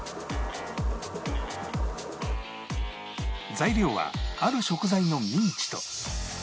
材料はある食材のミンチと